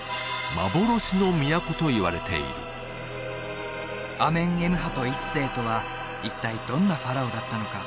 幻の都といわれているアメンエムハト１世とは一体どんなファラオだったのか？